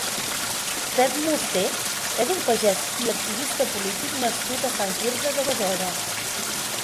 Pep Musté és un pagès i activista polític nascut a Sant Quirze de Besora.